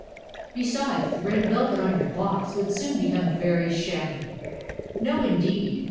Besides, the red velvet on your box would soon become very shabby." "No, indeed!